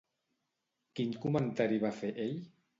Quin comentari va fer ell?